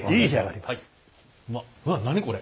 うわっ何これ。